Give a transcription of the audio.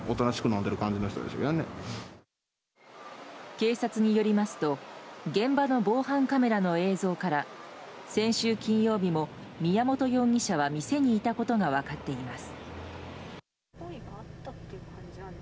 警察によりますと現場の防犯カメラの映像から先週金曜日も宮本容疑者は店にいたことが分かっています。